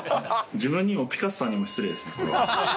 自分にもピカソさんにも失礼です